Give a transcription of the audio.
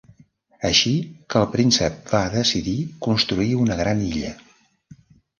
Així que el príncep va decidir construir una gran illa.